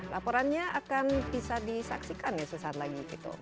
laporannya akan bisa disaksikan ya sesaat lagi